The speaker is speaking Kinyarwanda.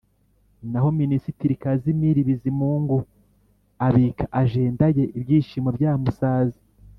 naho minisitiri kazimiri bizimungu abika ajenda ye, ibyishimo byamusaze.